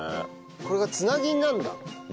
これがつなぎになるんだ。